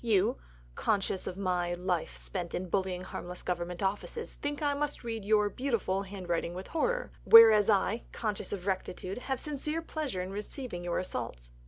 You, conscious of a life spent in bullying harmless Government offices, think that I must read your (beautiful) handwriting with horror. Whereas I, conscious of rectitude, have sincere pleasure in receiving your assaults."